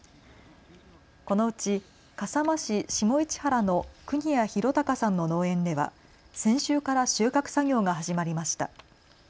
このうち笠間市下市原の國谷博隆さんの農園では先週から収穫作業が始まりました。